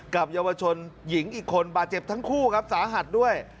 กับเยาวชนหญิงอีกคนบาดเจ็บทั้งคู่ครับสาหัสด้วย